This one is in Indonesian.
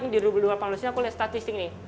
di rupiah panglos ini aku lihat statistik nih